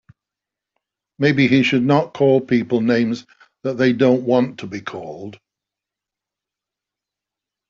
Maybe he should not call people names that they don't want to be called.